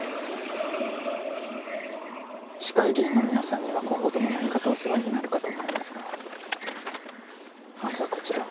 市会議員の皆さんには今後とも何かとお世話になるかと思いますがまずはこちらを。